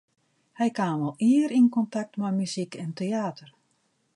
Hy kaam al ier yn kontakt mei muzyk en teäter.